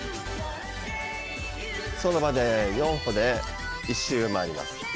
その場で４歩で１周回ります。